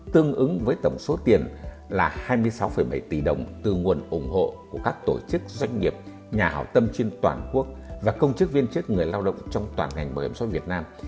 tương ứng với tổng số tiền là hai mươi sáu bảy tỷ đồng từ nguồn ủng hộ của các tổ chức doanh nghiệp nhà hảo tâm trên toàn quốc và công chức viên chức người lao động trong toàn ngành bảo hiểm xã hội việt nam